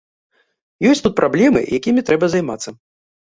Ёсць тут праблемы, якімі трэба займацца.